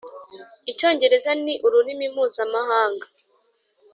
Icyongereza ni ururimi mpuzamahanga